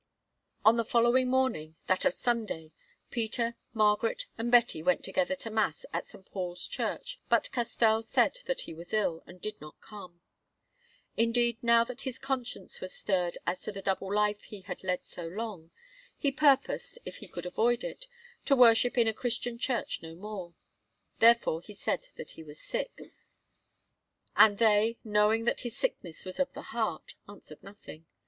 On the following morning, that of Sunday, Peter, Margaret, and Betty went together to Mass at St. Paul's church; but Castell said that he was ill, and did not come. Indeed, now that his conscience was stirred as to the double life he had led so long, he purposed, if he could avoid it, to worship in a Christian church no more. Therefore he said that he was sick; and they, knowing that this sickness was of the heart, answered nothing.